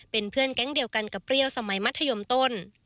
เป็นเพื่อนแก๊งเดียวกันกับเปรี้ยวสมัยมัธยมต้น